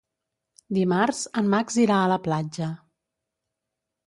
Dimarts en Max irà a la platja.